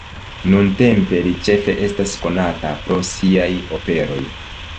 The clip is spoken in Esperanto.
Nuntempe li ĉefe estas konata pro siaj operoj.